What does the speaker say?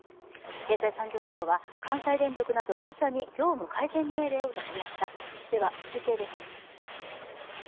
経済産業省は関西電力など５社に業務改善命令を出しました、中継です。